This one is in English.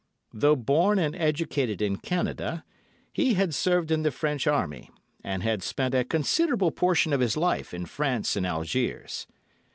Though born and educated in Canada, he had served in the French Army, and had spent a considerable portion of his life in France and Algiers.